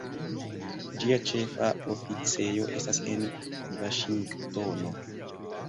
Ĝia ĉefa oficejo estas en Vaŝingtono.